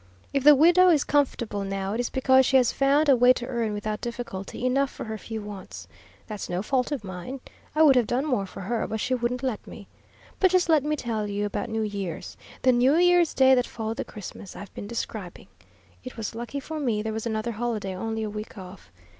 If the widow is comfortable now, it is because she has found a way to earn without difficulty enough for her few wants. That's no fault of mine. I would have done more for her, but she wouldn't let me. But just let me tell you about New Year's the New Year's day that followed the Christmas I've been describing. It was lucky for me there was another holiday only a week off.